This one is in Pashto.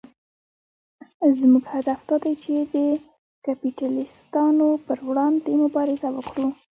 زموږ هدف دا دی چې د کپیټلېستانو پر وړاندې مبارزه وکړو.